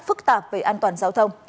phức tạp về an toàn giao thông